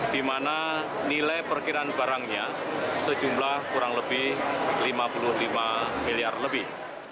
di mana nilai perkiraan barangnya sejumlah kurang lebih lima puluh lima miliar lebih